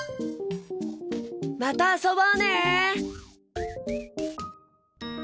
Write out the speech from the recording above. またあそぼうね！